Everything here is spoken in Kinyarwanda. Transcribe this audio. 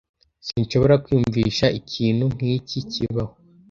Sinshobora kwiyumvisha ikintu nk'iki kibaho.